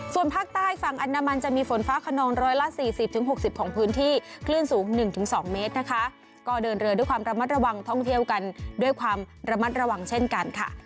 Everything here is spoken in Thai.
ส่วนภาคใต้ฝั่งอนามันจะมีฝนฟ้าขนองร้อยละ๔๐๖๐ของพื้นที่คลื่นสูง๑๒เมตรนะคะก็เดินเรือด้วยความระมัดระวังท่องเที่ยวกันด้วยความระมัดระวังเช่นกันค่ะ